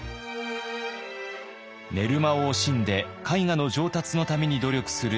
寝る間を惜しんで絵画の上達のために努力する崋山。